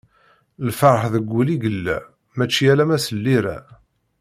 Lferḥ deg wul i yella, mačči alamma s llira.